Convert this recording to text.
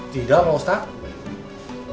tidak pak ustadz